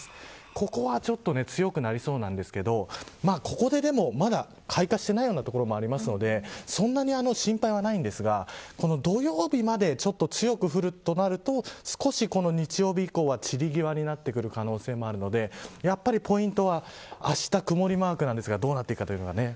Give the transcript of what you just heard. ここはちょっと強くなりそうなんですけどここでまだ開花していないような所もあるのでそんなに心配はないんですが土曜日までちょっと強く降るとなると少し日曜日以降は、散りぎわになってくる可能性もあるのでやっぱりポイントはあした曇りマークなんですがどうなっていくというのがね。